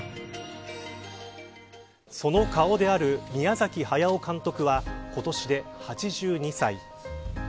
その顔である宮崎駿監督は今年で８２歳。